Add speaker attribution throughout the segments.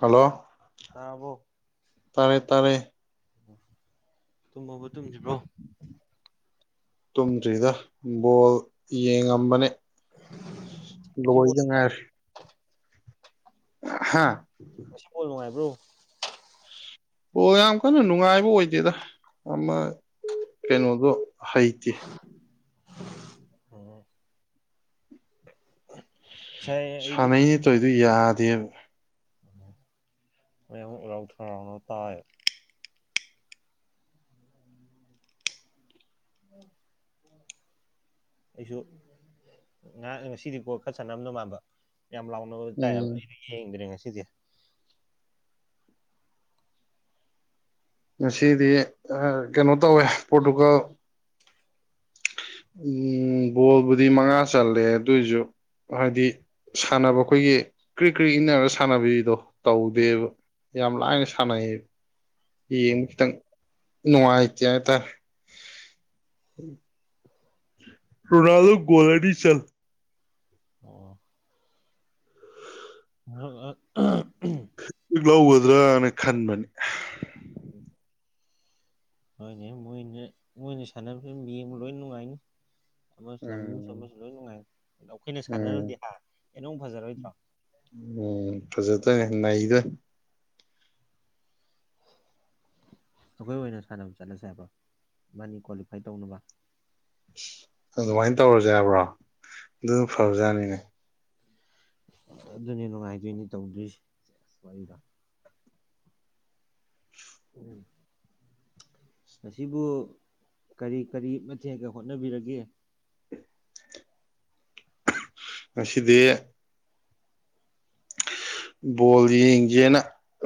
Speaker 1: hello
Speaker 2: ꯇꯥꯔꯕꯣ
Speaker 1: ꯇꯥꯔꯦ ꯇꯥꯔꯦ
Speaker 2: ꯇꯨꯝꯃꯥꯕꯣ ꯇꯨꯝꯗꯔꯤꯕꯣ
Speaker 1: ꯇꯨꯝꯗ꯭ꯔꯤꯗꯥ ꯕꯣꯜ ꯌꯦꯡꯉꯝꯕꯥꯅꯦ
Speaker 2: ꯉꯁꯤ ꯕꯣꯜ
Speaker 1: ꯂꯣꯏꯗ ꯉꯥꯏꯔꯤ ꯍꯥꯥ
Speaker 2: ꯉꯁꯤ ꯕꯣꯜ ꯅꯨꯉꯥꯏꯕ꯭ꯔꯣ
Speaker 1: ꯕꯣꯜ ꯌꯥꯝ ꯀꯟꯅ ꯅꯨꯡꯉꯥꯏꯕ ꯑꯣꯏꯗꯦꯗ ꯑꯃꯥ ꯀꯩꯅꯣꯗꯨ ꯍꯩꯇꯦ
Speaker 2: ꯑ ꯉꯁꯥꯏ ꯑꯩꯗꯤ
Speaker 1: ꯁꯥꯟꯅꯩꯅꯦ ꯇꯧꯔꯤꯗꯣ ꯌꯥꯗꯦꯕ
Speaker 2: ꯃꯌꯥꯝ ꯎꯔꯥꯎ ꯊꯥꯔꯥꯎꯕ ꯇꯥꯏ ꯑꯩꯁꯨ ꯉꯁꯤꯗꯤ ꯒꯣꯜ ꯈꯔ ꯆꯟꯅꯥꯔꯝꯗꯧ ꯃꯥꯟꯕ ꯌꯥꯝ ꯂꯥꯎꯅꯕꯗꯣ ꯇꯥꯏꯌꯦꯕ
Speaker 1: ꯎꯝ
Speaker 2: ꯑꯩꯗꯤ ꯌꯦꯡꯗ꯭ꯔꯦ ꯉꯁꯤꯗꯤ
Speaker 1: ꯉꯁꯤꯗꯤ ꯑꯥ ꯀꯩꯅꯣ ꯇꯧꯋꯦ ꯄꯣꯔꯇꯨꯒꯜ ꯑꯝ ꯒꯣꯜꯕꯨꯗꯤ ꯃꯉꯥ ꯆꯜꯂꯦ ꯑꯗꯣꯏꯖꯨ ꯍꯥꯏꯗꯤ ꯁꯥꯟꯅꯕ ꯑꯈꯣꯏꯒꯤ ꯀ꯭ꯔꯤꯛ ꯀ꯭ꯔꯤꯛ ꯏꯟꯅꯔꯒ ꯁꯥꯟꯅꯕꯤꯗꯣ ꯇꯧꯗꯦꯕ ꯌꯥꯝ ꯂꯥꯏꯅ ꯁꯥꯟꯅꯩ ꯌꯦꯡꯕ ꯈꯤꯇꯪ ꯅꯨꯡꯉꯥꯏꯇꯦ ꯍꯥꯏꯇꯔꯦ
Speaker 2: [inaudible]
Speaker 1: ꯔꯣꯅꯥꯜꯗꯣ ꯒꯣꯜ ꯑꯅꯤ ꯆꯟ
Speaker 2: ꯑꯣ [unintelligible]
Speaker 1: ꯂꯧꯒꯗ꯭ꯔꯥꯅ ꯈꯟꯕꯅꯤ
Speaker 2: ꯑꯝ ꯍꯣꯏꯅꯦ ꯃꯣꯏꯅꯦ ꯃꯣꯏꯅ ꯁꯥꯟꯅꯕꯗꯤ ꯌꯦꯡꯕ ꯂꯣꯏ ꯅꯨꯡꯉꯥꯏꯅꯤ ꯑꯃꯥꯁꯨ ꯂꯝ ꯑꯃꯥꯁꯨ
Speaker 1: ꯎꯝ
Speaker 2: ꯑꯃꯥꯁꯨ ꯂꯣꯏ ꯅꯨꯡꯉꯥꯏ ꯑꯩꯈꯣꯏꯅ
Speaker 1: ꯎꯝ
Speaker 2: ꯁꯥꯟꯅꯔꯨꯔꯗꯤ ꯍꯥ ꯍꯦꯟꯅ ꯑꯃꯨꯛ ꯐꯖꯔꯣꯏꯗ꯭ꯔꯣ
Speaker 1: ꯑꯝ ꯐꯖꯥꯗꯣꯏꯅꯦ ꯅꯩꯗꯣꯏꯅꯦ
Speaker 2: ꯑꯈꯣꯏ ꯑꯣꯏꯅ ꯁꯥꯟꯅꯕ ꯆꯠꯂꯁꯦ ꯍꯥꯏꯕ꯭ꯔꯣ ꯏꯕꯥꯟꯅꯤ ꯀ꯭ꯋꯥꯂꯤꯐꯥꯏ ꯇꯧꯅꯕ
Speaker 1: ꯑꯗꯨꯃꯥꯏꯟ ꯇꯧꯔꯁꯦ ꯍꯥꯏꯕ꯭ꯔꯣ ꯑꯗꯨꯅ ꯐꯥꯕꯖꯥꯠꯅꯤꯅꯦ
Speaker 2: ꯑꯗꯨꯅꯦ ꯅꯨꯡꯉꯥꯏꯗꯣꯏꯅꯤ ꯇꯧꯗꯣꯏꯁꯦ ꯋꯥꯔꯤꯗꯣ ꯑꯝ ꯉꯁꯤꯕꯨ ꯀꯔꯤ ꯀꯔꯤ ꯃꯊꯦꯛꯒ ꯍꯣꯠꯅꯕꯤꯔꯒꯦ
Speaker 1: ꯉꯁꯤꯗꯤ ꯕꯣꯜ ꯌꯦꯡꯁꯦꯅ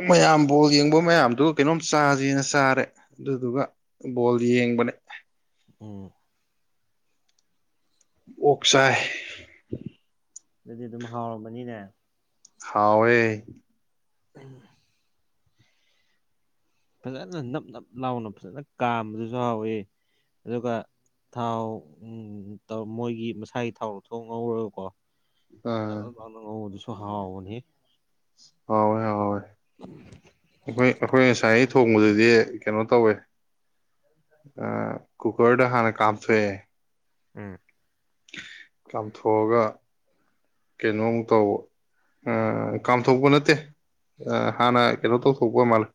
Speaker 1: ꯃꯌꯥꯝ ꯕꯣꯜ ꯌꯦꯡꯕ ꯃꯌꯥꯝꯗꯨ ꯀꯩꯅꯣꯝ ꯆꯥꯁꯦꯅ ꯆꯥꯔꯦ ꯑꯗꯨꯏꯗꯨꯒ ꯕꯣꯜ ꯌꯦꯡꯕꯅꯦ
Speaker 2: ꯑꯝ
Speaker 1: ꯑꯣꯛ ꯆꯥꯏ
Speaker 2: ꯑꯗꯨꯗꯤ ꯑꯗꯨꯝ ꯍꯥꯎꯔꯝꯃꯅꯤꯅꯦ
Speaker 1: ꯍꯥꯎꯋꯦ
Speaker 2: ꯑꯗꯨꯅꯤ ꯐꯥꯖꯅ ꯅꯞ ꯅꯞ ꯂꯥꯎꯅ ꯐꯥꯖꯅ ꯀꯥꯝꯕꯁꯨ ꯍꯥꯎꯋꯤ ꯑꯗꯨꯒ ꯊꯥꯎ ꯑꯝ ꯃꯣꯏꯒꯤ ꯃꯁꯥꯒꯤ ꯊꯥꯎ ꯂꯧꯊꯣꯡ ꯉꯧꯔꯒ ꯀꯣ ꯅꯞ
Speaker 1: ꯑꯥ
Speaker 2: ꯅꯞ ꯂꯥꯎꯅ ꯉꯧꯕꯗꯨꯁꯨ ꯍꯥꯎꯕꯅꯤ
Speaker 1: ꯍꯥꯎꯋꯦ ꯍꯥꯎꯋꯦ
Speaker 2: ꯑꯝ
Speaker 1: ꯑꯩꯈꯣꯏ ꯑꯩꯈꯣꯏ ꯉꯁꯥꯏ ꯑꯩꯅ ꯊꯣꯡꯕꯗꯨꯗꯤ ꯀꯩꯅꯣ ꯇꯧꯋꯦ ꯑꯥ ꯀꯨꯀ꯭ꯔꯗ ꯍꯥꯟꯅ ꯀꯥꯞꯊꯣꯛ ꯑꯦ
Speaker 2: ꯑꯝ
Speaker 1: ꯀꯥꯝꯊꯣꯛꯑꯒ ꯀꯩꯅꯣꯝꯃꯨꯛ ꯇꯧꯟꯑ ꯀꯥꯝꯊꯣꯛꯄ ꯅꯠꯇꯦ ꯑ ꯍꯥꯟꯅ ꯀꯩꯅꯣ ꯇꯧꯊꯣꯛꯄ ꯑꯣꯏ ꯃꯥꯜꯂꯦ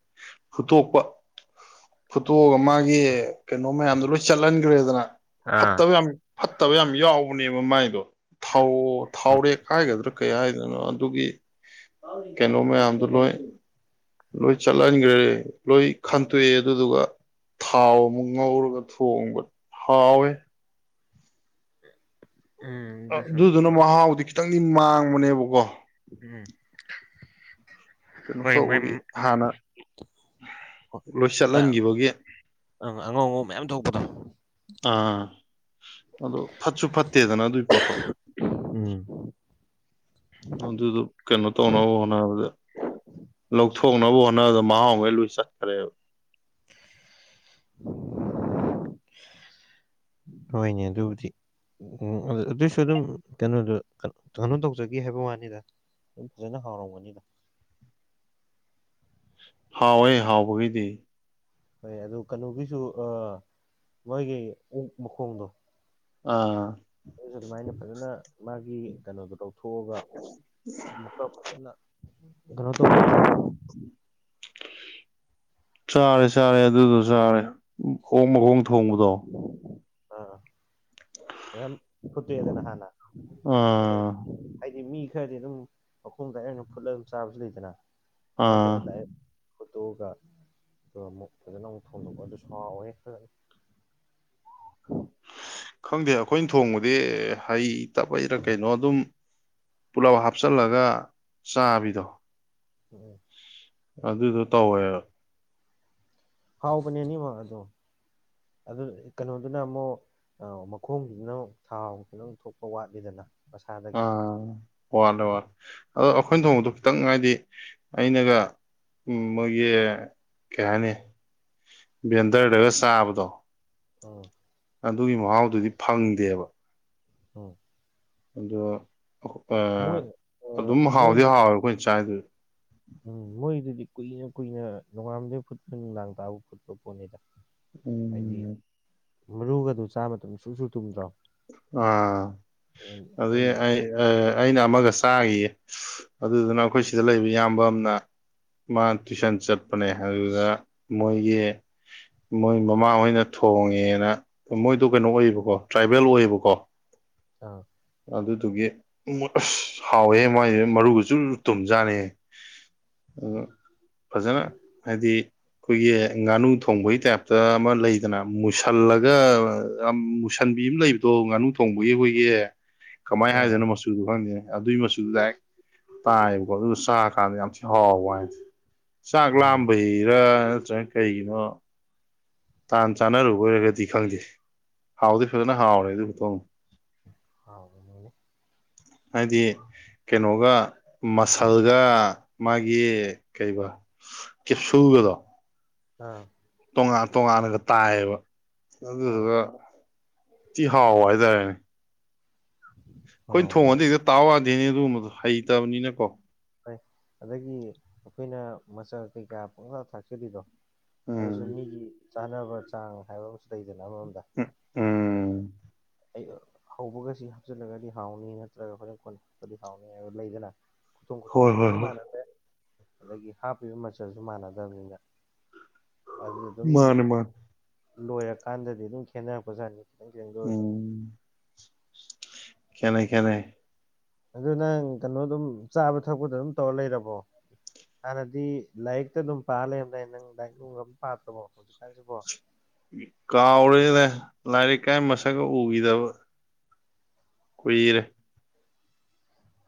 Speaker 1: ꯐꯨꯠꯇꯣꯛꯄ ꯐꯨꯠꯇꯣꯛꯑꯒ ꯃꯥꯒꯤ ꯀꯩꯅꯣ ꯃꯌꯥꯝꯗꯣ ꯂꯣꯏ ꯆꯠꯍꯟꯈ꯭ꯔꯦꯗꯅ
Speaker 2: ꯑꯥ
Speaker 1: ꯐꯠꯇꯕ ꯌꯥꯝ ꯐꯠꯇꯕ ꯌꯥꯝ ꯌꯥꯎꯕꯅꯦꯕ ꯃꯥꯏꯗꯣ ꯊꯥꯎ ꯊꯥꯎꯔꯦꯛ ꯍꯥꯏꯒꯗ꯭ꯔꯥ ꯀꯩ ꯍꯥꯏꯗꯣꯏꯅꯣ ꯑꯗꯨꯒꯤ ꯀꯩꯅꯣ ꯃꯌꯥꯝꯗꯨ ꯂꯣꯏ ꯂꯣꯏ ꯆꯠꯍꯟꯈ꯭ꯔꯦ ꯂꯣꯏ ꯈꯟꯇꯣꯛꯑꯦ ꯑꯗꯨꯗꯨꯒ ꯊꯥꯎ ꯑꯃꯨꯛ ꯉꯧꯔꯒ ꯊꯣꯡꯕ ꯍꯥꯎꯋꯦ
Speaker 2: ꯎꯝ ꯑꯗꯨꯁꯨ
Speaker 1: ꯑꯗꯨꯗꯨꯅ ꯃꯍꯥꯎꯗꯤ ꯈꯤꯇꯪꯗꯤ ꯃꯥꯡꯕꯅꯦꯕꯀꯣ
Speaker 2: ꯎꯝ
Speaker 1: ꯀꯩꯅꯣ
Speaker 2: ꯍꯣꯏ ꯃꯥꯏ
Speaker 1: ꯇꯧꯕꯒꯤ ꯍꯥꯟꯅ ꯂꯣꯏ ꯆꯠꯍꯟꯈꯤꯕꯒꯤ
Speaker 2: ꯑꯪ ꯑꯉꯥꯎ ꯑꯉꯥꯎ ꯃꯌꯥꯝ ꯊꯣꯛꯄꯗꯣ
Speaker 1: ꯑꯥ ꯑꯗꯣ ꯐꯠꯁꯨ ꯐꯠꯇꯦꯗꯅ ꯑꯗꯨꯏ ꯄꯣꯠꯇꯣ
Speaker 2: ꯎꯝ
Speaker 1: ꯑꯗꯨꯗꯨ ꯀꯩꯅꯣ ꯇꯧꯅꯕ ꯍꯣꯠꯅꯕꯗ ꯂꯧꯊꯣꯛꯅꯕ ꯍꯣꯠꯅꯕꯗ ꯃꯍꯥꯎꯈꯩ ꯂꯣꯏ ꯆꯠꯈ꯭ꯔꯦꯕ
Speaker 2: ꯍꯣꯏꯅꯦ ꯑꯗꯨꯕꯗꯤ ꯎꯝ ꯑꯗꯨ ꯑꯗꯨꯏꯁꯨ ꯑꯗꯨꯝ ꯀꯩꯅꯣꯗꯣ ꯀꯩꯅꯣꯝ ꯇꯧꯖꯒꯦ ꯍꯥꯏꯕ ꯋꯥꯅꯤꯗ ꯑꯗꯨꯝ ꯐꯖꯅ ꯍꯥꯎꯔꯝꯒꯅꯤꯗ
Speaker 1: ꯍꯥꯎꯋꯦ ꯍꯥꯎꯕꯒꯤꯗꯤ
Speaker 2: ꯍꯣꯏ ꯑꯗꯨ ꯀꯩꯅꯣꯒꯤꯁꯨ ꯑ ꯃꯣꯏꯒꯤ ꯑꯣꯛ ꯃꯈꯣꯡꯗꯣ
Speaker 1: ꯑ
Speaker 2: ꯑꯗꯨꯁꯨ ꯑꯗꯨꯃꯥꯏꯅ ꯐꯖꯅ ꯃꯥꯒꯤ ꯀꯩꯅꯣꯗꯣ ꯂꯧꯊꯣꯛꯑꯒ ꯑꯃꯨꯛꯀ ꯐꯖꯅꯀ ꯩꯅꯣ ꯇꯧꯕꯗꯣ ꯆꯥꯔꯕ [unintelligible]
Speaker 1: ꯆꯥꯔꯦ ꯆꯥꯔꯦ ꯑꯗꯨꯗꯣ ꯆꯥꯔꯦ ꯑꯣꯡ ꯃꯈꯣꯡ ꯊꯣꯡꯕꯗꯣ
Speaker 2: ꯑꯥ ꯐꯖꯥꯅ ꯐꯨꯠꯇꯣꯛꯑꯦꯗꯅ ꯍꯥꯟꯅ ꯑꯗꯨ
Speaker 1: ꯑꯥ
Speaker 2: ꯍꯥꯏꯗꯤ ꯃꯤ ꯈꯔꯗꯤ ꯑꯗꯨꯝ ꯃꯈꯣꯡ ꯗꯥꯔꯦꯛ ꯑꯣꯏꯅ ꯐꯨꯠꯂꯒ ꯑꯗꯨꯝ ꯆꯥꯕꯁꯨ ꯂꯩꯗꯅ ꯑꯗꯨꯃꯥꯏꯅ
Speaker 1: ꯑꯥ
Speaker 2: ꯇꯧꯕ ꯗꯥꯏꯔꯦꯛ ꯐꯣꯇꯣꯛꯑꯒ ꯑꯗꯨꯒ ꯑꯃꯨꯛ ꯐꯖꯅ ꯑꯃꯨꯛ ꯊꯣꯡꯗꯣꯛꯄ ꯑꯗꯨꯁꯨ ꯍꯥꯎꯋꯦ ꯐꯖꯅ
Speaker 1: ꯈꯪꯗꯦ ꯑꯩꯈꯣꯏꯅ ꯊꯣꯡꯕꯗꯤ ꯍꯩ ꯇꯕꯩꯔ ꯀꯩꯅꯣ ꯑꯗꯨꯝ ꯄꯨꯂꯞ ꯍꯥꯞꯆꯤꯜꯂꯒ ꯆꯥꯕꯤꯗꯣ
Speaker 2: ꯎꯝ
Speaker 1: ꯑꯗꯨꯗꯣ ꯇꯧꯋꯦꯕ
Speaker 2: ꯍꯥꯎꯕꯅꯦꯅꯤꯃꯛ ꯑꯗꯣ ꯑꯗꯨ ꯀꯩꯅꯣꯗꯨꯅ ꯑꯃꯨꯛ ꯑꯧ ꯃꯈꯣꯡꯁꯤꯅ ꯑꯃꯨꯛ ꯊꯥꯎ ꯈꯤꯇꯪ ꯊꯣꯛꯄ ꯋꯥꯠꯂꯤꯗꯅ ꯃꯁꯥꯗꯒꯤ
Speaker 1: ꯑꯥ ꯋꯥꯠꯂꯦ ꯋꯥꯠꯂꯦ ꯑꯗꯣ ꯑꯩꯈꯣꯏꯅ ꯊꯣꯡꯕꯗꯣ ꯈꯤꯇꯪ ꯍꯥꯏꯗꯤ ꯑꯩꯅꯒ ꯎꯝ ꯃꯣꯏꯒꯤ ꯀꯩ ꯍꯥꯏꯅꯤ ꯚꯦꯟꯗꯔꯗꯒ ꯆꯥꯕꯗꯣ
Speaker 2: ꯑꯣꯝ
Speaker 1: ꯑꯗꯨꯒꯤ ꯃꯍꯥꯎꯗꯨꯗꯤ ꯐꯪꯗꯦꯕ
Speaker 2: ꯑꯣ
Speaker 1: ꯑꯗꯣ ꯑ
Speaker 2: ꯃꯣꯏ ꯑꯥ
Speaker 1: ꯑꯗꯨꯝ ꯍꯥꯎꯗꯤ
Speaker 2: ꯃꯣꯏꯗꯤ
Speaker 1: ꯍꯥꯎꯋꯦ ꯑꯩꯈꯣꯏꯅ ꯆꯥꯏꯗꯨꯗꯤ
Speaker 2: ꯎꯝ ꯃꯣꯏꯗꯨꯗꯤ ꯀꯨꯏꯅ ꯀꯨꯏꯅ ꯅꯨꯉꯥꯟꯕꯗꯒꯤ ꯐꯨꯠꯄ ꯅꯨꯡꯗꯥꯡ ꯇꯥꯕ ꯐꯨꯠꯄ ꯄꯣꯠꯅꯤꯗ
Speaker 1: ꯎꯝ
Speaker 2: ꯍꯥꯏꯗꯤ ꯃꯔꯨꯒꯗꯨ ꯆꯥ ꯃꯇꯝꯗ ꯁꯨꯁꯨ ꯇꯨꯝꯗ꯭ꯔꯣ
Speaker 1: ꯑꯥ ꯑꯗꯒꯤ
Speaker 2: ꯃꯣꯏꯒꯤꯗꯤ
Speaker 1: ꯑꯩ ꯑꯩꯅ ꯑꯃꯒ ꯆꯥꯈꯤꯌꯦ ꯑꯗꯨꯗꯨꯅ ꯑꯩꯈꯣꯏ ꯁꯤꯗ ꯂꯩꯕ ꯏꯌꯥꯝꯕ ꯑꯃꯅ ꯃꯥ ꯇꯨꯏꯁꯟ ꯆꯠꯄꯅꯦ ꯑꯗꯨꯗ ꯃꯣꯏꯒꯤ ꯃꯣꯏ ꯃꯃꯥꯍꯣꯏꯅ ꯊꯣꯡꯉꯦꯅ ꯃꯣꯏꯗꯣ ꯀꯩꯅꯣ ꯑꯣꯏꯌꯦꯕꯀꯣ ꯇ꯭ꯔꯥꯏꯕꯦꯜ ꯑꯣꯏꯌꯦꯕ ꯀꯣ
Speaker 2: ꯑꯥ
Speaker 1: ꯑꯗꯨꯗꯨꯒꯤ ꯑꯁ ꯍꯥꯎꯋꯦ ꯃꯥꯏꯗꯨ ꯃꯔꯨꯒ ꯖꯨꯔ ꯇꯨꯝꯖꯥꯠꯅꯤꯍꯦ ꯑꯗꯨꯅ ꯐꯖꯅ ꯍꯥꯏꯗꯤ ꯑꯩꯈꯣꯏꯒꯤ ꯉꯥꯅꯨ ꯊꯣꯡꯕꯒꯤ ꯇꯥꯏꯞꯇ ꯑꯃ ꯂꯩꯗꯅ ꯃꯨꯁꯜꯂꯒ ꯁꯥꯟꯕꯤ ꯑꯃ ꯂꯩꯕꯗꯣ ꯉꯥꯅꯨ ꯊꯣꯡꯕꯒꯤ ꯑꯩꯈꯣꯏꯒꯤ ꯀꯃꯥꯏꯅ
Speaker 2: ꯑꯥ
Speaker 1: ꯍꯥꯏꯗꯨꯢꯅꯣ
Speaker 2: ꯑꯥ
Speaker 1: ꯃꯆꯨꯗꯨ ꯈꯪꯗꯦ ꯑꯗꯨꯒꯤ ꯃꯆꯨꯗꯨ ꯗꯥꯢꯔꯦꯛ ꯇꯥꯏꯑꯦꯕꯀꯣ ꯑꯗꯨꯒ ꯆꯥꯛ ꯀꯥꯟꯗ ꯌꯥꯝ ꯊꯤ ꯍꯥꯎ ꯋꯥꯅꯤꯗ ꯍꯥꯏꯗꯤ ꯆꯥꯛ
Speaker 2: ꯎꯝ
Speaker 1: ꯂꯥꯝꯕꯩꯔ ꯅꯠꯇ꯭ꯔꯒꯅ ꯀꯩꯒꯤꯅꯣ ꯇꯥꯟ ꯆꯥꯟꯅꯔꯨꯕꯒꯤꯔ ꯈꯪꯗꯦ ꯍꯥꯎꯗꯤ ꯐꯖꯅ ꯍꯥꯎꯔꯦ ꯑꯗꯨ ꯈꯨꯊꯣꯡ
Speaker 2: ꯑꯥꯎ [unintelligible]
Speaker 1: ꯍꯥꯏꯗꯤ ꯀꯩꯅꯣꯒ ꯃꯁꯜꯒ ꯃꯥꯒꯤ ꯀꯩꯔꯤꯕ ꯆꯦꯞꯁꯨꯒꯗꯣ
Speaker 2: ꯑꯥ
Speaker 1: ꯇꯣꯉꯥꯟ ꯇꯣꯉꯥꯟꯅꯒ ꯇꯥꯏꯌꯦꯕ
Speaker 2: ꯑꯥ
Speaker 1: ꯑꯗꯨꯗꯨꯒ ꯌꯥꯝ ꯊꯤ ꯍꯥꯎꯕ ꯍꯥꯏꯇꯥꯔꯦꯅꯦ ꯑꯩꯈꯣꯏꯅ ꯊꯣꯡꯉꯗꯤ
Speaker 2: ꯍꯥꯎꯕꯅꯦ
Speaker 1: ꯍꯦꯛꯇ ꯇꯥꯎ ꯋꯥꯗꯦꯅꯦ ꯑꯗꯨꯒꯨꯝꯕꯗꯨ ꯍꯩꯇꯕꯅꯤꯅꯀꯣ
Speaker 2: ꯍꯣꯢ ꯑꯗꯒꯤ ꯑꯩꯈꯣꯏꯅ ꯃꯆꯥꯟ ꯀꯩꯀꯥ ꯄꯪꯊꯥꯛ ꯊꯥꯛꯆꯥꯔꯤꯗꯣ
Speaker 1: ꯎꯝ
Speaker 2: ꯑꯗꯨꯁꯨ ꯃꯤꯒꯤ ꯆꯥꯅꯕ ꯆꯥꯡ ꯍꯥꯏꯕ ꯑꯃ ꯂꯩꯗꯅ ꯑꯃꯔꯣꯝꯗ
Speaker 1: ꯎꯝ ꯎꯝ
Speaker 2: ꯑꯍꯧꯕꯒ ꯁꯤ ꯍꯥꯞꯆꯤꯜꯂꯒꯗꯤ ꯍꯥꯎꯅꯤ ꯅꯠꯇ꯭ꯔꯒ ꯍꯣꯔꯦꯟ ꯀꯣꯟꯅ ꯍꯥꯞꯄꯗꯤ ꯍꯥꯎꯅꯤ ꯍꯥꯏꯕ ꯂꯩꯗꯅ ꯈꯨꯊꯣꯡ
Speaker 1: ꯍꯣꯏ
Speaker 2: ꯈꯨꯊꯣꯡꯁꯨ
Speaker 1: ꯍꯣꯏ
Speaker 2: ꯂꯣꯏꯅ
Speaker 1: ꯍꯣꯏ
Speaker 2: ꯃꯥꯟꯅꯗ꯭ꯔꯦ ꯑꯗꯒꯤ ꯍꯥꯞꯄꯤꯕ ꯃꯆꯜꯁꯨ ꯃꯥꯟꯅꯗꯕꯅꯤꯅ ꯑꯗꯨꯅ ꯑꯗꯨꯝ
Speaker 1: ꯃꯥꯅꯦ ꯃꯥꯅꯦ
Speaker 2: ꯂꯣꯏꯔꯀꯥꯟꯗꯗꯤ ꯑꯗꯨꯝ ꯈꯦꯠꯅꯔꯛꯄꯖꯥꯠꯅꯤ ꯈꯤꯇꯪ ꯈꯤꯇꯪꯗ ꯑꯣꯏꯔꯁꯨ
Speaker 1: ꯈꯦꯟꯅꯩ ꯈꯦꯟꯅꯩ
Speaker 2: ꯑꯗꯨ ꯅꯪ ꯀꯩꯅꯣ ꯑꯗꯨꯝ ꯆꯥꯕ ꯊꯛꯄꯗ ꯑꯗꯨꯝ ꯇꯧꯔ ꯂꯩꯔꯕꯣ ꯍꯥꯟꯅꯗꯤ ꯂꯥꯏꯔꯤꯛꯇ ꯑꯗꯨꯝ ꯄꯥ ꯂꯩꯔꯝꯗꯥꯏ ꯅꯪ ꯂꯥꯏꯔꯤꯛ ꯅꯨꯡꯒ ꯑꯗꯨꯝ ꯄꯥꯗ꯭ꯔꯕꯣ ꯍꯧꯖꯤꯛꯀꯥꯟꯁꯤꯕꯣ
Speaker 1: ꯀꯥꯎꯔꯦꯗ ꯂꯥꯏꯔꯤꯛ ꯀꯥꯏ ꯃꯁꯛꯀ ꯎꯈꯤꯗꯕ ꯀꯨꯢꯔꯦ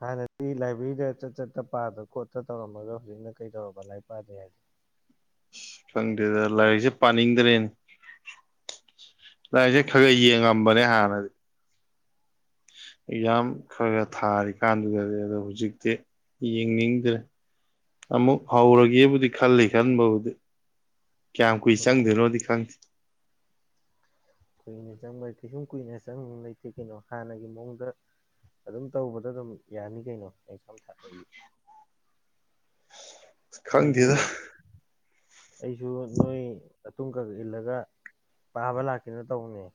Speaker 2: ꯍꯥꯟꯅꯗꯤ ꯂꯥꯏꯕ꯭ꯔꯦꯔꯤꯗꯒ ꯆꯠ ꯆꯠꯇꯅ ꯄꯥꯗ ꯈꯣꯠꯇꯅ ꯇꯧꯔꯝꯃꯒ ꯍꯧꯖꯤꯛꯅ ꯀꯩꯗꯧꯔꯕ ꯂꯥꯏꯔꯤꯛ ꯄꯥꯗꯦ ꯍꯥꯏꯔꯗꯤ
Speaker 1: ꯈꯪꯗꯦꯗ ꯂꯥꯏꯔꯤꯛꯁꯦ ꯄꯥꯅꯤꯡꯗ꯭ꯔꯦꯅꯦ ꯂꯥꯏꯔꯤꯛꯁꯦ ꯈꯔ ꯈꯔ ꯌꯦꯡꯉꯝꯕꯅꯦ ꯍꯥꯟꯅꯗꯤ ꯑꯦꯛꯖꯥꯝ ꯈꯔ ꯈꯔ ꯊꯥꯔꯤꯀꯥꯟꯗꯨꯗꯗꯤ ꯑꯗꯣ ꯍꯧꯖꯤꯛꯇꯤ ꯌꯦꯡꯅꯤꯡꯗ꯭ꯔꯦ ꯑꯃꯨꯛ ꯍꯧꯔꯒꯦꯕꯨꯗꯤ ꯈꯜꯂꯤ ꯈꯟꯕꯕꯨꯗꯤ ꯀꯌꯥꯝ ꯀꯨꯏꯅ ꯆꯪꯗꯣꯏꯅꯣꯗꯤ ꯈꯪꯗꯦ
Speaker 2: ꯀꯨꯏꯅ ꯆꯪꯕ ꯀꯩꯁꯨꯝ ꯀꯨꯏꯅ ꯆꯪ ꯂꯩꯇꯦ ꯀꯩꯅꯣ ꯍꯥꯟꯅꯒꯤ ꯃꯑꯣꯡꯗ ꯑꯗꯨꯝ ꯇꯧꯕꯗ ꯑꯗꯨꯝ ꯌꯥꯅꯤ ꯀꯩꯅꯣ ꯑꯦꯛꯖꯥꯝ ꯊꯥꯕꯒꯤ ꯑꯩꯁꯨ
Speaker 1: ꯈꯪꯗꯦꯗ
Speaker 2: ꯑꯩꯁꯨ ꯅꯣꯏ ꯅꯇꯨꯡ ꯈꯔ ꯈꯔ ꯏꯜꯂꯒ ꯄꯥꯕ ꯂꯥꯛꯀꯦꯅ ꯇꯧꯕꯅꯦ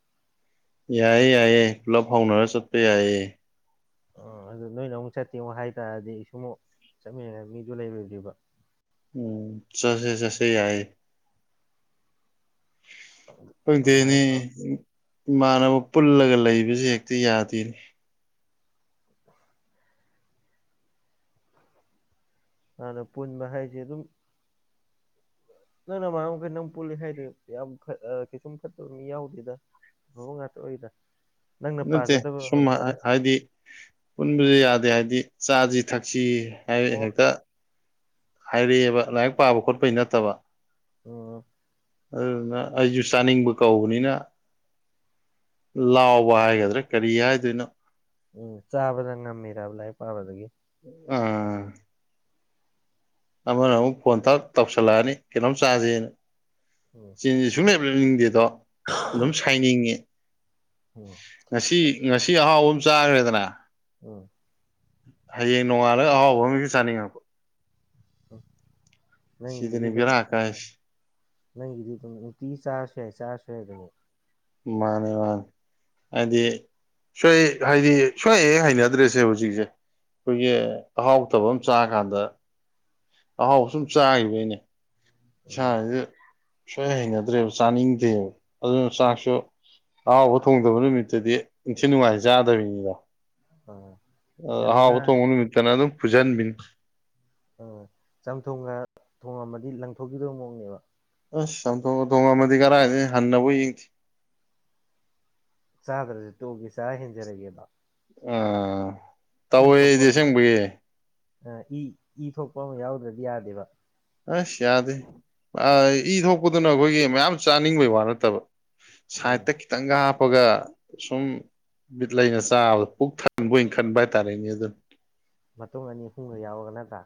Speaker 1: ꯌꯥꯏꯌꯦ ꯌꯥꯏꯌꯦ ꯄꯨꯂꯞ ꯍꯧꯅꯔ ꯆꯠꯄ ꯌꯥꯏꯌꯦ
Speaker 2: ꯑꯥ ꯑꯗꯨ ꯅꯣꯏꯅ ꯑꯃꯨꯛ ꯆꯠꯇꯦ ꯍꯥꯏꯇꯥꯥꯔꯗꯤ ꯑꯩꯁꯨ ꯑꯃꯨꯛ ꯆꯠꯃꯤꯟꯅꯅꯤꯡꯉꯥꯢ ꯃꯤꯗꯨ ꯂꯩꯔꯣꯢꯗꯨꯢꯕ
Speaker 1: ꯎꯝ ꯆꯠꯁꯦ ꯆꯠꯁꯦ ꯌꯥꯏꯌꯦ ꯈꯪꯗꯦꯅꯦ
Speaker 2: ꯑꯗꯨꯃꯥꯏꯅ ꯇꯧꯔ
Speaker 1: ꯏꯃꯥꯟꯅꯕ ꯄꯨꯜꯂꯒ ꯂꯩꯕꯁꯦ ꯍꯦꯛꯇ ꯌꯥꯗꯦꯅꯦ
Speaker 2: ꯏꯁꯩ [unintelligible] ꯑꯗꯥ ꯄꯨꯟꯕ ꯍꯥꯏꯁꯦ ꯑꯗꯨꯝ ꯅꯪ ꯅꯃꯥꯟꯅꯕ ꯄꯨꯜꯂꯦ ꯍꯥꯏꯗꯣ ꯌꯥꯝ ꯀꯩꯁꯨꯝ ꯐꯠꯇꯕ ꯃꯤ ꯌꯥꯎꯗꯦꯗ [unintelligible] ꯉꯥꯇ ꯎꯏꯗ
Speaker 1: ꯅꯠꯇꯦ ꯁꯨꯝ ꯍꯥ ꯍꯥꯏꯗꯤ ꯄꯨꯟꯕꯖꯦ ꯌꯥꯗꯦ ꯍꯥꯏꯗꯤ ꯆꯥꯖꯤ ꯊꯛꯁꯤ ꯍꯥꯏꯔꯛ ꯑꯦ
Speaker 2: ꯑꯣ
Speaker 1: ꯍꯦꯛꯇꯥ ꯍꯥꯏꯔꯛ ꯑꯦꯕ ꯂꯥꯏꯔꯤꯛ ꯄꯥꯕ ꯈꯣꯠꯄꯩ ꯅꯠꯇꯕ
Speaker 2: ꯑꯣ
Speaker 1: ꯑꯗꯨꯗꯨꯅ ꯑꯩꯖꯨ ꯆꯥꯅꯤꯡꯕ ꯀꯧꯕꯅꯤꯅ ꯂꯥꯎꯕꯥ ꯍꯥꯏꯒꯗ꯭ꯔꯥ ꯀꯔꯤ ꯍꯥꯏꯗꯣꯏꯅꯣ
Speaker 2: ꯎꯝ ꯆꯥꯕꯗ ꯉꯝꯃꯤꯔꯥꯕ ꯂꯥꯏꯔꯤꯛ ꯄꯥꯕꯗꯒꯤ
Speaker 1: ꯑꯥ ꯑꯃꯅ ꯑꯃꯨꯛ ꯐꯣꯟ ꯇꯛ ꯇꯧꯁꯜꯂꯛ ꯑꯅꯤ ꯀꯩꯅꯣꯝ ꯆꯥꯥꯖꯦꯅ
Speaker 2: ꯎꯝ
Speaker 1: ꯆꯤꯟꯖꯦ ꯁꯨꯡꯂꯦꯞ ꯂꯦꯞꯅꯤꯡꯗꯦꯗꯣ ꯑꯗꯨꯝ ꯁꯥꯏꯅꯤꯡꯉꯤ
Speaker 2: ꯑꯣꯝ
Speaker 1: ꯉꯁꯤ ꯉꯁꯤ ꯑꯍꯥꯎꯕ ꯑꯃ ꯆꯥꯒ꯭ꯔꯦꯗꯅ
Speaker 2: ꯎꯝ
Speaker 1: ꯍꯌꯦꯡ ꯅꯣꯡꯉꯥꯜꯂꯒ ꯑꯍꯥꯎꯕ ꯑꯃꯥ ꯍꯦꯛꯇ ꯆꯥꯅꯤꯡꯉꯛꯄ
Speaker 2: ꯅꯪꯒꯤ
Speaker 1: ꯁꯤꯗꯅꯤ
Speaker 2: ꯃꯤꯗꯣ
Speaker 1: ꯕꯦꯔꯥ ꯀꯥꯏꯁꯦ
Speaker 2: ꯅꯪꯒꯤꯗꯤ ꯑꯗꯨꯝ ꯅꯨꯡꯇꯤꯒꯤ ꯆꯥꯔꯁꯨ ꯌꯥꯏ ꯆꯥꯔꯁꯨ ꯌꯥꯏ ꯗꯨꯅꯦ
Speaker 1: ꯃꯟꯅꯦ ꯃꯟꯅꯦ ꯍꯥꯏꯗꯤ ꯁꯣꯏ ꯍꯥꯏꯗꯤ ꯁꯣꯏ ꯍꯦꯛ ꯍꯩꯅꯗ꯭ꯔꯦ ꯑꯁꯦꯡꯕ ꯍꯧꯖꯤꯛꯁꯦ ꯑꯩꯈꯣꯏꯒꯤ ꯑꯍꯥꯎ ꯇꯕꯑꯝ ꯆꯥ ꯀꯥꯟꯗ ꯑꯍꯥꯎꯕꯥ ꯁꯨꯝ ꯆꯥꯒꯤꯕꯩꯅꯦ
Speaker 2: ꯎꯝ
Speaker 1: ꯏꯁꯥꯖꯤꯗ ꯁꯨꯛ ꯍꯩ ꯍꯩꯅꯗ꯭ꯔꯦꯕ ꯆꯥꯅꯤꯡꯗꯦꯕ ꯑꯗꯨꯅ ꯆꯥꯛꯁꯨ ꯑꯍꯥꯎꯕ ꯊꯣꯡꯗꯕ ꯅꯨꯃꯤꯠꯇꯗꯤ ꯏꯪꯊꯤ ꯅꯨꯡꯉꯥꯏ ꯆꯥꯗꯕꯤꯅꯤꯗꯣ
Speaker 2: ꯑꯥ ꯀꯩꯅꯣꯒ
Speaker 1: ꯑꯍꯥꯎꯕꯥ ꯊꯣꯡꯕ ꯅꯨꯃꯤꯠꯇꯅꯥ ꯑꯗꯨꯝ ꯐꯨꯖꯟꯕꯤꯅꯤ
Speaker 2: ꯑꯥ ꯆꯝꯊꯣꯡꯒ ꯊꯣꯡꯉꯝ ꯃꯗꯤ ꯂꯪꯊꯣꯛꯈꯤꯗꯧ ꯃꯑꯣꯡꯅꯦꯕ
Speaker 1: ꯑꯁ ꯆꯝꯊꯣꯡꯒꯥ ꯊꯣꯡꯉꯝꯃꯗꯤ ꯀꯔꯥꯏꯗꯩꯩ ꯍꯟꯅꯕꯨ ꯌꯦꯡꯗꯦ
Speaker 2: ꯆꯥꯗ꯭ꯔꯖꯨ ꯇꯣꯛ ꯑꯥꯒꯦ ꯆꯥ ꯍꯦꯟꯖꯔꯒꯦꯗꯣ
Speaker 1: ꯑꯥ
Speaker 2: ꯏ
Speaker 1: ꯇꯧꯋꯦ
Speaker 2: ꯊꯣꯛꯄ
Speaker 1: ꯑꯩꯗꯤ
Speaker 2: ꯑꯃ
Speaker 1: ꯑꯁꯦꯡꯕꯒꯤ
Speaker 2: ꯑꯥ ꯏ ꯏ ꯊꯣꯛꯄ ꯑꯃ ꯌꯥꯎꯗ꯭ꯔꯗꯤ ꯌꯥꯗꯦꯕ
Speaker 1: ꯑꯁ ꯌꯥꯗꯦ ꯑꯥ ꯏ ꯊꯣꯛꯄꯗꯨꯅ ꯑꯩꯈꯣꯏꯒꯤ ꯃꯌꯥꯝ ꯆꯥꯅꯤꯡꯕꯩ ꯋꯥ ꯅꯠꯇꯕ
Speaker 2: ꯎꯝ
Speaker 1: ꯁꯥꯏꯠꯇ ꯈꯤꯇꯪ ꯍꯥꯞꯄꯒ ꯁꯨꯝ ꯕꯤꯠ ꯂꯩꯅꯥ ꯆꯥꯕꯗꯣ ꯄꯨꯛꯊꯟ ꯊꯟꯕꯣꯏ ꯈꯟꯕ ꯍꯥꯏ ꯇꯥꯔꯦꯅꯦ ꯑꯗꯣ
Speaker 2: ꯃꯇꯣꯡ ꯑꯅꯤ ꯑꯍꯨꯝꯒ ꯌꯥꯎꯔꯒ ꯅꯠꯇ꯭ꯔꯥ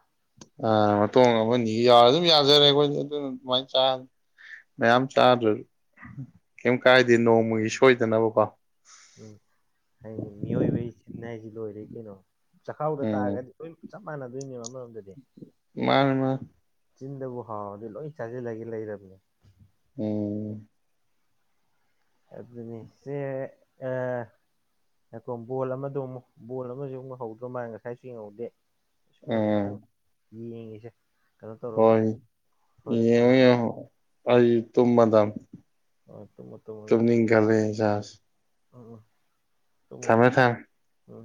Speaker 1: ꯑ ꯃꯇꯣꯡ ꯑꯃꯅꯤꯒ ꯌꯥꯎꯔꯗꯤ ꯑꯗꯨꯝ ꯌꯥꯖꯔꯦ ꯑꯩꯈꯣꯏꯗꯤ ꯑꯗꯨꯅ ꯑꯗꯨꯃꯥꯏꯅ ꯆꯥꯔꯦ ꯃꯌꯥꯝ ꯆꯥꯗ꯭ꯔꯖꯨ ꯀꯩꯝ ꯀꯥꯏꯗꯦ ꯅꯣꯡꯃꯒꯤ ꯁꯣꯏꯗꯅꯕꯀꯣ
Speaker 2: ꯎꯝ ꯍꯥꯏꯅꯤ ꯃꯤꯑꯣꯏꯕꯩ ꯆꯤꯟ ꯍꯥꯏꯖꯦ ꯂꯣꯏꯔꯦ ꯀꯩꯅꯣ ꯆꯥꯛꯈꯥꯎꯗ
Speaker 1: ꯎꯝ
Speaker 2: ꯇꯥꯔꯒꯗꯤ ꯂꯣꯏꯝ ꯆꯞ ꯃꯥꯟꯅꯗꯣꯏꯅꯦꯕꯥ ꯑꯃꯔꯣꯝꯗꯗꯤ
Speaker 1: ꯃꯥꯟꯅꯦ ꯃꯥꯟꯅꯦ
Speaker 2: ꯆꯤꯟꯗꯕꯨ ꯍꯥꯎꯔꯗꯤ ꯂꯣꯏ ꯆꯥꯖꯤꯜꯂꯒꯦ ꯂꯩꯔꯕꯅꯦ
Speaker 1: ꯎꯝ
Speaker 2: ꯑꯗꯨꯅꯤ ꯁꯦ ꯑ ꯉꯏꯈꯣ ꯕꯣꯜ ꯑꯃꯗꯨꯃꯨꯛ ꯕꯣꯜ ꯑꯃꯖꯨ ꯑꯃꯨꯛ ꯍꯧꯗ꯭ꯔꯣ ꯃꯟꯅꯦ ꯉꯁꯥꯏꯁꯨ ꯌꯦꯡꯍꯧꯗꯦ ꯁꯤꯃꯖꯦ
Speaker 1: ꯎꯝ
Speaker 2: ꯑꯝꯇꯪ ꯌꯦꯡꯒꯦꯁꯦ
Speaker 1: ꯍꯣꯏ ꯌꯦꯡꯉꯣ ꯌꯦꯡꯉꯣ ꯑꯩꯖꯨ ꯇꯨꯝꯃꯗꯝ ꯇꯨꯝꯅꯤꯡꯈꯠꯂꯛꯑꯦ ꯏꯁꯥꯁꯦ
Speaker 2: ꯑꯥ ꯇꯨꯝꯃꯨ
Speaker 1: ꯊꯝꯃꯦ ꯊꯝꯃꯦ
Speaker 2: ꯑꯥ